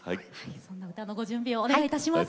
そんな歌のご準備をお願いいたします。